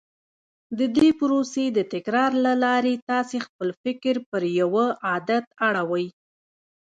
د دې پروسې د تکرار له لارې تاسې خپل فکر پر يوه عادت اړوئ.